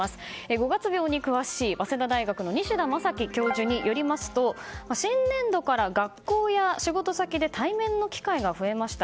五月病に詳しい早稲田大学の西多昌規教授によりますと新年度から学校や会社で対面の機会が増えました。